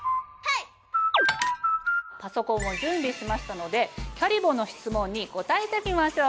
パソコンを準備しましたのでキャリボの質問に答えてみましょう。